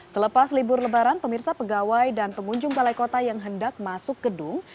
selepas libur lebaran pemirsa pegawai dan pengunjung balai kota yang hendak masuk gedung